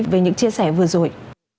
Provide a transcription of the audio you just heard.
về những chia sẻ vừa rồi